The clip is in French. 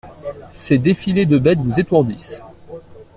Ces défilés de bêtes vous étourdissent.